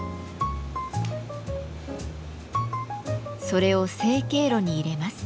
それを成形炉に入れます。